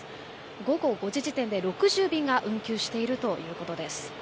午後５時時点で６０便が運休しているということです。